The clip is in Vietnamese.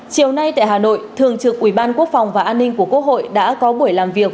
chiều nay tại hà nội thường trực ủy ban quốc phòng và an ninh của quốc hội đã có buổi làm việc